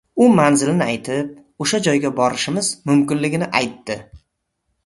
U manzilni aytib, oʻsha joyga borishimiz mumkinligini aytdi.